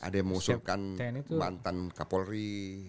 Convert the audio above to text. ada yang mengusulkan mantan kapolri